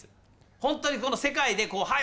本当にこの世界ではい！